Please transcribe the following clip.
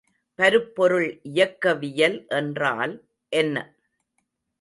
பருப்பொருள் இயக்கவியல் என்றால் என்ன?